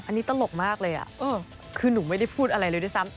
อันนี้ตลกมากเลยคือหนูไม่ได้พูดอะไรเลยด้วยซ้ำ